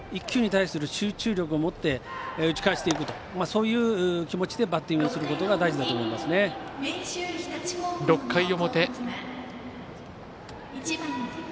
１球に対する、集中力を持って打ち返していくとそういう気持ちでバッティングをすることが６回表。